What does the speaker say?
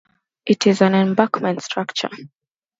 It is an embankment structure.